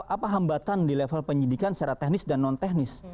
apa hambatan di level penyidikan secara teknis dan non teknis